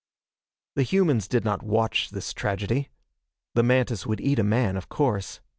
The humans did not watch this tragedy. The mantis would eat a man, of course.